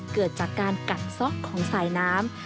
เกิดจากการกัดซ่อของสายน้ำ